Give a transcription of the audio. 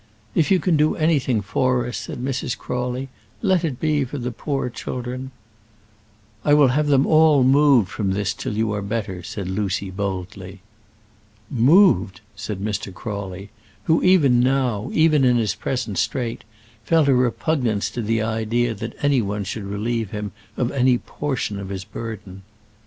"If you can do anything for us," said Mrs. Crawley, "let it be for the poor children." "I will have them all moved from this till you are better," said Lucy, boldly. "Moved!" said Mr. Crawley, who even now even in his present strait felt a repugnance to the idea that any one should relieve him of any portion of his burden.